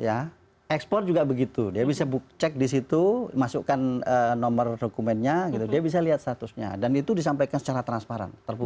ya ekspor juga begitu dia bisa cek di situ masukkan nomor dokumennya gitu dia bisa lihat statusnya dan itu disampaikan secara transparan terbuka